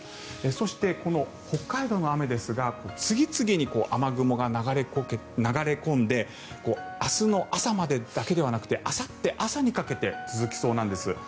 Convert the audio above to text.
そして、この北海道の雨ですが次々に雨雲が流れ込んで明日の朝までだけではなくてあさって朝にかけて続きそうなんです。